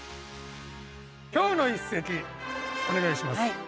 今日の一席お願いします。